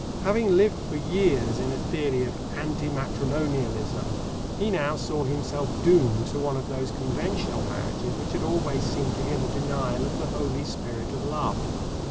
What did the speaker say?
Having lived for years in a theory of "anti matrimonialism," he now saw himself doomed to one of those conventional marriages which had always seemed to him a denial of the holy spirit of love.